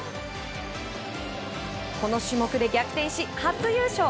この種目で逆転し、初優勝。